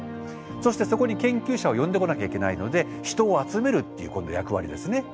そしてそこに研究者を呼んでこなきゃいけないので人を集めるっていう今度役割ですね。